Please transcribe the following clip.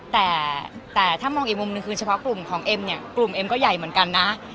แต่แต่ถ้ามองอีกมุมหนึ่งคือเฉพาะกลุ่มของเอ็มเนี่ยกลุ่มเอ็มก็ใหญ่เหมือนกันนะ